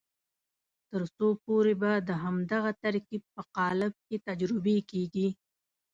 تر څو پورې به د همدغه ترکیب په قالب کې تجربې کېږي.